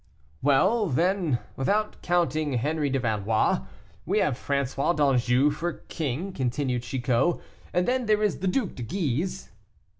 "Well, then, without counting Henri de Valois, we have François d'Anjou for king," continued Chicot; "and then there is the Duc de Guise."